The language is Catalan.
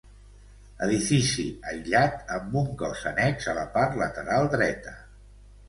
Edifici aïllat amb un cos annex a la part lateral dreta.